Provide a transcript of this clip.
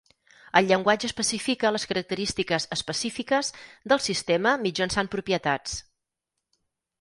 El llenguatge especifica les característiques específiques del sistema mitjançant propietats.